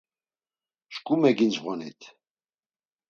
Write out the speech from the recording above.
Şǩu megincğonit.